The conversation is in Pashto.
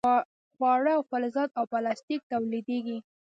خواړه او فلزات او پلاستیک تولیدیږي.